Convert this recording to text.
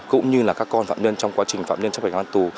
cũng như là các con phạm nhân trong quá trình phạm nhân chấp hành án tù